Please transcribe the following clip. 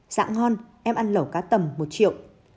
dạ ngon em ăn lẩu cá tầm một triệu